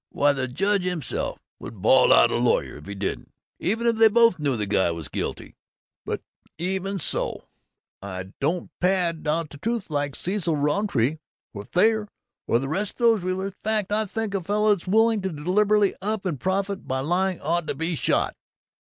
Why, the Judge himself would bawl out a lawyer that didn't, even if they both knew the guy was guilty! But even so, I don't pad out the truth like Cecil Rountree or Thayer or the rest of these realtors. Fact, I think a fellow that's willing to deliberately up and profit by lying ought to be shot!"